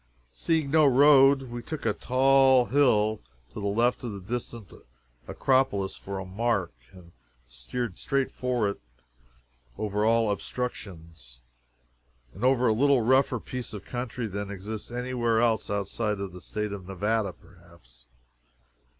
Seeing no road, we took a tall hill to the left of the distant Acropolis for a mark, and steered straight for it over all obstructions, and over a little rougher piece of country than exists any where else outside of the State of Nevada, perhaps.